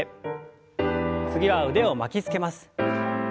次は腕を巻きつけます。